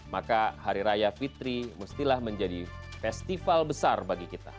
maka hari raya fitri mestilah menjadi festival besar bagi kita